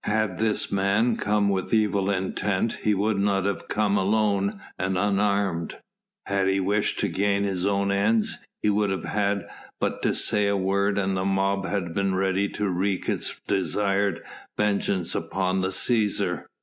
Had this man come with evil intent he would not have come alone and unarmed: had he wished to gain his own ends, he would have had but to say a word and the mob had been ready to wreak its desired vengeance upon the Cæsar.